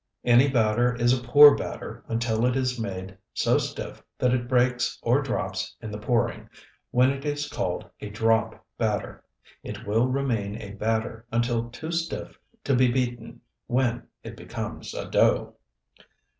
Any batter is a pour batter until it is made so stiff that it breaks or drops in the pouring, when it is called a drop batter. It will remain a batter until too stiff to be beaten, when it becomes a dough.